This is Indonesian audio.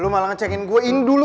lu malah nge check in gua ini dulu